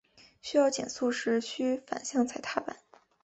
需要减速时须反向踩踏板。